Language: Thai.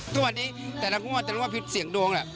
ทุกวันนี้แต่ละคุณค่ะแต่ละคุณค่ะผิดเสียงดวงล่ะ